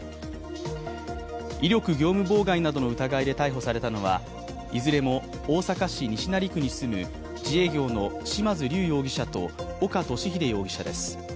威力業務妨害などの疑いで逮捕されたのは、いずれも大阪市西成区に住む自営業の嶋津龍容疑者と岡敏秀容疑者です。